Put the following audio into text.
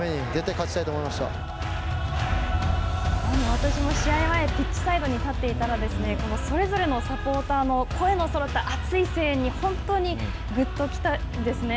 私も試合前ピッチサイドに立っていたら、それぞれのサポーターの声のそろった熱い声援に本当にぐっときたんですね。